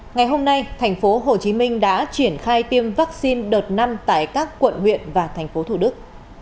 ngày hôm nay thành phố hồ chí minh đã triển khai tiêm vaccine đợt năm tại các quận huyện và thành phố thủ đức